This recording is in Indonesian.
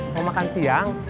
mau makan siang